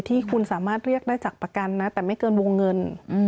ที่คุณสามารถเรียกได้จากประกันนะแต่ไม่เกินวงเงิน